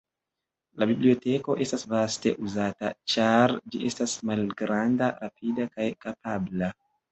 La biblioteko estas vaste uzata, ĉar ĝi estas malgranda, rapida kaj kapabla.